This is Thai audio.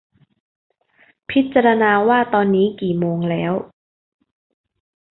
พิจารณาว่าตอนนี้กี่โมงแล้ว